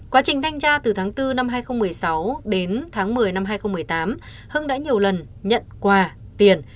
quá trình thanh tra từ tháng bốn năm hai nghìn một mươi sáu đến tháng một mươi năm hai nghìn một mươi tám hưng đã nhiều lần nhận quà tiền